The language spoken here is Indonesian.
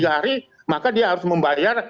tiga hari maka dia harus membayar